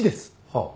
はあ。